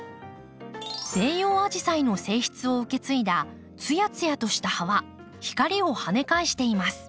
西洋アジサイの性質を受け継いだツヤツヤとした葉は光をはね返しています。